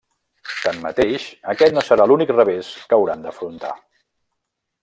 Tanmateix, aquest no serà l'únic revés que hauran d'afrontar.